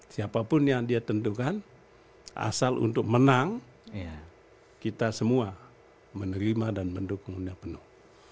siapapun yang dia tentukan asal untuk menang kita semua menerima dan mendukungnya penuh